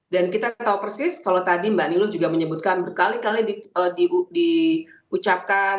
dan kita tahu persis kalau tadi mbakumba niluh menyebutkan kali kali diucapkan